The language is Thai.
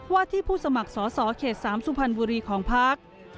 ที่ผู้สมัครสอสอเขต๓สุพรรณบุรีของพัก